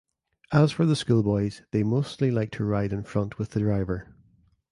As for the schoolboys they mostly like to ride in front with the driver.